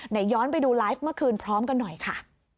ย้อนไปดูไลฟ์เมื่อคืนพร้อมกันหน่อยค่ะ